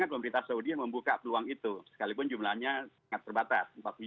walaupun jumlahnya sangat berbatas